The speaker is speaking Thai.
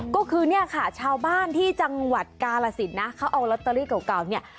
ก็คือเนี่ยค่ะชาวบ้านที่จังหวัดกาลสินนะเขาเอาลอตเตอรี่เก่าเนี่ย